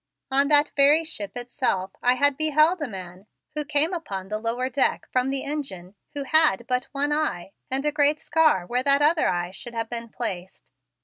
On that very ship itself I had beheld a man, who came upon the lower deck from the engine, who had but one eye and a great scar where that other eye should have been placed.